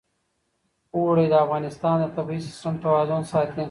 اوړي د افغانستان د طبعي سیسټم توازن ساتي.